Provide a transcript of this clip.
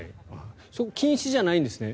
禁止じゃないんですね？